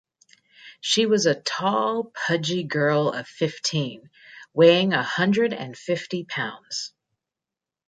She was a tall, pudgy girl of fifteen, weighing a hundred and fifty pounds.